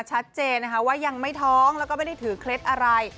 ชัดเจนนะคะว่ายังไม่ท้องแล้วก็ไม่ได้ถือเคล็ดอะไร